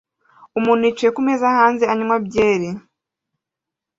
Umuntu yicaye kumeza hanze anywa byeri